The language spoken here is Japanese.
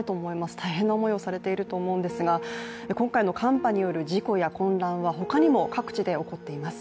大変な思いをされていると思うんですが、今回の寒波による事故や混乱は他にも各地で起こっています。